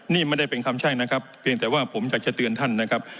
นี่ไม่ได้เป็นคำใช่นะครับเพียงแต่ว่าผมอยากจะเตือนท่านนะครับ